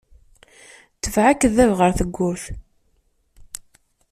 Tbeɛ akeddab ɣer tebburt.